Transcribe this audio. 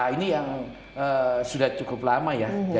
ini yang sudah cukup lama ya